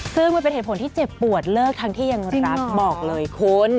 ซึ่งมันเป็นเหตุผลที่เจ็บปวดเลิกทั้งที่ยังรักบอกเลยคุณ